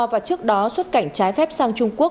và trước đó xuất cảnh trái phép sang trung quốc